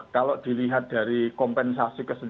kalau dilihat dari kompensasi